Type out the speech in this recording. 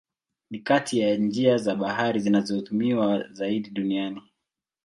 Ni kati ya njia za bahari zinazotumiwa zaidi duniani.